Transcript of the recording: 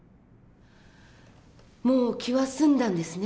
もう気は済んだんですね？